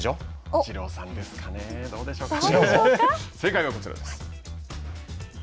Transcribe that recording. イチローさんですかね、どうでしょうか。